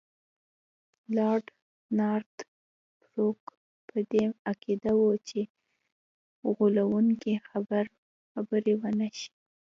لارډ نارت بروک په دې عقیده وو چې غولونکي خبرې ونه شي.